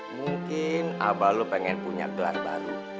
mungkin abah lo pengen punya gelar baru